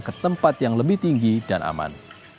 ke tempat yang lebih tinggi dan aman